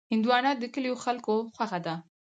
هندوانه د کلیو خلکو خوښه ده.